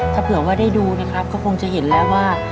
ถ้าเผื่อว่าได้ดูนะครับก็คงจะเห็นแล้วว่า